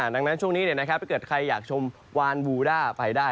ดังนั้นช่วงนี้ถ้าเกิดใครอยากชมวานบูด้าไปได้